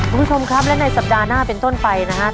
คุณผู้ชมครับและในสัปดาห์หน้าเป็นต้นไปนะครับ